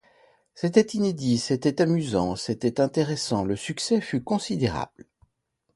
C’était inédit, c’était amusant, c’était intéressant le succès fut considérable.